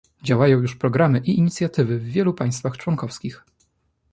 Działają już programy i inicjatywy w wielu państwach członkowskich